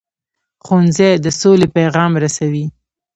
ښوونځی د سولې پیغام رسوي